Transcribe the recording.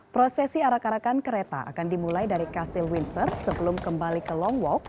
prosesi arak arakan kereta akan dimulai dari kastil windsor sebelum kembali ke long walk